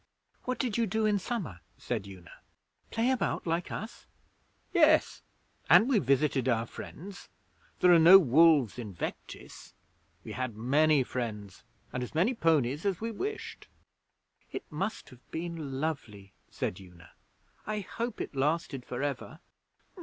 'What did you do in summer?' said Una. 'Play about, like us?' 'Yes, and we visited our friends. There are no wolves in Vectis. We had many friends, and as many ponies as we wished.' 'It must have been lovely,' said Una. 'I hope it lasted for ever.'